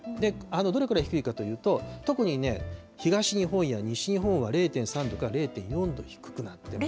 どれくらい低いかというと、特にね、東日本や西日本は０．３度から０．４度低くなっている。